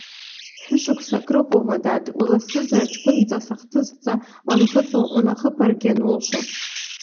Шәышықәса акрыҟоума, дад, уласызар ҷкәынҵас ахҵысҭа уанхыҵуа, унахыԥаргьы анулшо…